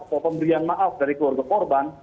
atau pemberian maaf dari keluarga korban